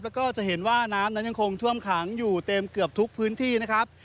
แล้วก็จะเห็นว่าน้ำนั้นยังคงท่วมขังอยู่เต็มเกือบทุกพื้นที่นะครับ